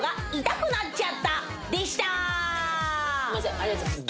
ありがとうございます。